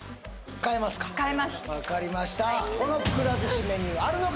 変えます分かりましたこのくら寿司メニューあるのか？